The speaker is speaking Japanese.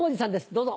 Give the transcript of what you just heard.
どうぞ。